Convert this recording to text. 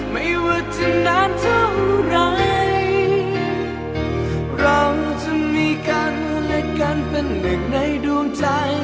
ไม่ว่าจะนานเท่าไรเราจะมีกันและกันเป็นหนึ่งในดวงใจ